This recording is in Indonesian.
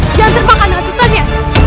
jangan terbakar nasutannya